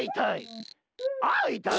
あいたい。